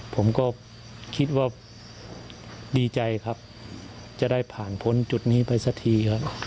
ผมก็คิดว่าดีใจครับจะได้ผ่านพ้นจุดนี้ไปสักทีครับ